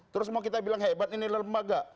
terus mau kita bilang hebat ini adalah lembaga